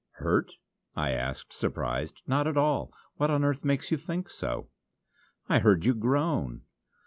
"Hurt?" I asked, surprised "not at all. What on earth makes you think so?" "I heard you groan!"